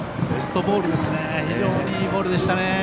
ベストボールでしたね。